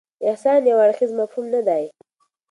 احسان یو اړخیز مفهوم نه دی.